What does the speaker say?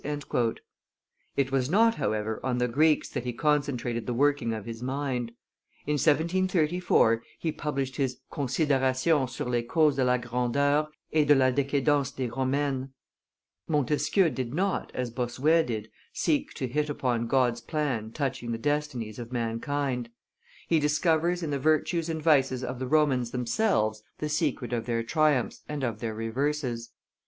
'" It was not, however, on the Greeks that he concentrated the working of his mind; in 1734, he published his Considerations sur les causes de la grandeur et de la decadence des Romaine. Montesquieu did not, as Bossuet did, seek to hit upon God's plan touching the destinies of mankind; he discovers in the virtues and vices of the Romans themselves the secret of their triumphs and of their reverses.